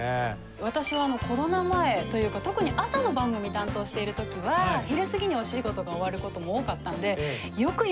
私はコロナ前というか特に朝の番組担当しているときは昼過ぎにお仕事が終わることも多かったんで。